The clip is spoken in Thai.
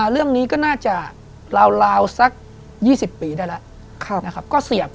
เรื่องนี้ก็น่าจะราวสัก๒๐ปีได้แล้วนะครับ